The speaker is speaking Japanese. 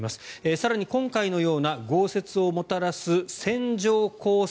更に今回のような豪雪をもたらす線状降雪